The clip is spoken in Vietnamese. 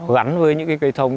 gắn với những cái cây thông